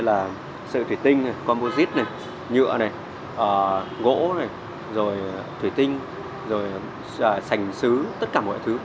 chất liệu có thể tìm thấy ở đây như là sợi thủy tinh composite nhựa gỗ rồi thủy tinh rồi sành xứ tất cả mọi thứ